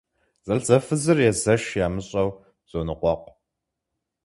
Зэлӏзэфызыр езэш ямыщӏэу зоныкъуэкъу.